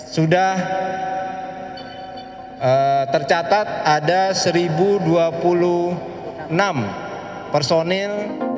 sudah tercatat ada satu dua puluh enam personil